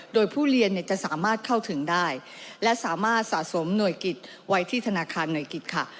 โดยผู้เรียนจะสามารถเข้าถึงได้และสามารถสะสมหน่วยกิจไว้ที่ธนาคารหน่วยกิจค่ะ